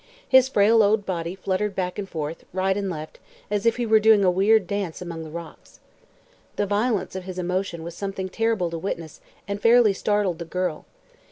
His frail old body fluttered back and forth, right and left, as if he were doing a weird dance among the rocks. The violence of his emotion was something terrible to witness and fairly startled the girl.